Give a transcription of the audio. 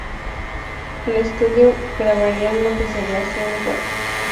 En estudio grabarían lo que sería su único álbum, llamado My Soul is wet.